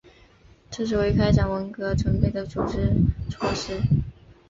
这是为开展文革准备的组织措施。